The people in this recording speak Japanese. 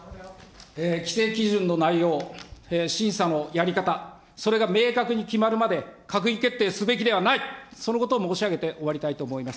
規制基準の内容、審査のやり方、それが明確に決まるまで、閣議決定すべきではない、そのことを申し上げて終わりたいと思います。